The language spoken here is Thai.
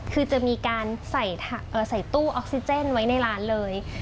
คือจะมีการใส่ตู้ออกซิเจนไว้ในร้านเลย